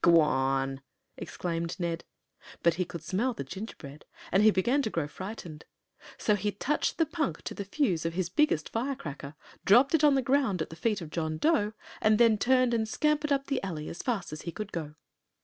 "G'wan!" exclaimed Ned. But he could smell the gingerbread, and he began to grow frightened. So he touched the punk to the fuse of his biggest firecracker, dropped it on the ground at the feet of John Dough, and then turned and scampered up an alley as fast as he could go.